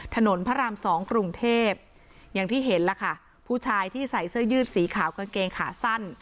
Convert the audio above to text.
ถนนพระรามสองกรุงเทพอย่างที่เห็นล่ะค่ะผู้ชายที่ใส่เสื้อยืดสีขาวกางเกงขาสั้น